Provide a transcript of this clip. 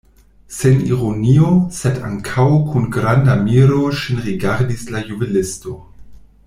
Sen ironio, sed ankaŭ kun granda miro ŝin rigardis la juvelisto.